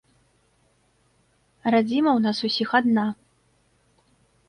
Радзіма ў нас усіх адна.